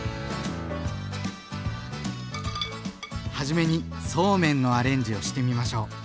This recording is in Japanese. はじめにそうめんのアレンジをしてみましょう。